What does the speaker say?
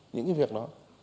những cái việc đó